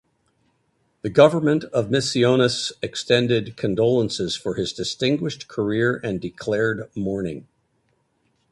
The government of Misiones extended condolences for his distinguished career and declared mourning.